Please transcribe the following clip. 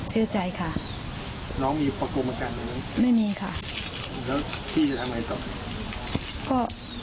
เชื่อใจค่ะไม่มีค่ะ